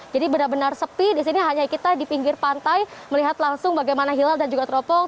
jadi benar benar sepi di sini hanya kita di pinggir pantai melihat langsung bagaimana hilal dan juga teropong